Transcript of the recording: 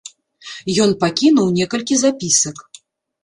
Ён пакінуў некалькі запісак.